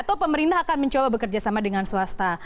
atau pemerintah akan mencoba bekerja sama dengan swasta